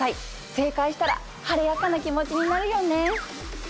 正解したら晴れやかな気持ちになるよね。